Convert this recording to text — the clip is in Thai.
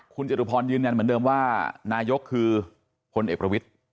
คุณจตุพรยืนยันเหมือนเดิมว่านายกคือพลเอกประวิทธิ์